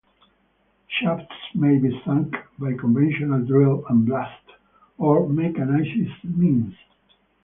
Shafts may be sunk by conventional drill and blast or mechanised means.